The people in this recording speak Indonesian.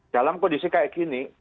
dalam kondisi seperti ini